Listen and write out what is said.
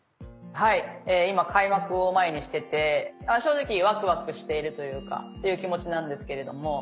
はい今開幕を前にしてて正直ワクワクしているという気持ちなんですけれども。